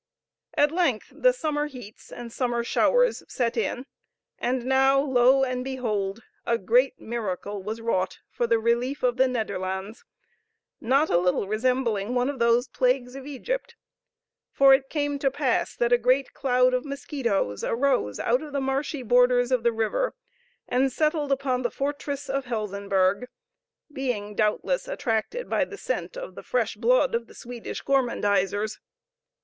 At length the summer heats and summer showers set in, and now, lo and behold! a great miracle was wrought for the relief of the Nederlands, not a little resembling one of the plagues of Egypt; for it came to pass that a great cloud of mosquitos arose out of the marshy borders of the river, and settled upon the fortress of Helsenburg, being doubtless attracted by the scent of the fresh blood of the Swedish gormandisers.